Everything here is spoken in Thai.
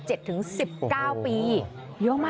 หลบ